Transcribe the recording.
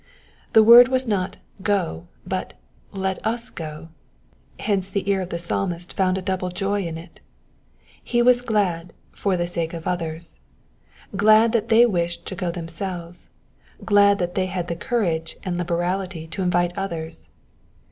The word was not "go," but *Met us go" ; hence the ear of the Psalmist foimd a double joy in it. He was glad for the saTce of others : glad that they wished to go themselves, glad that they had the courage and liberality to invite others.